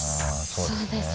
そうですね